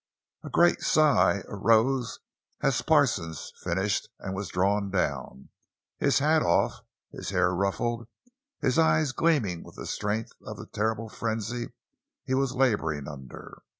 A great sigh arose as Parsons finished and was drawn down, his hat off, his hair ruffled, his eyes gleaming with the strength of the terrible frenzy he was laboring under.